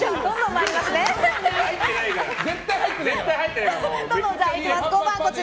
絶対入ってないから。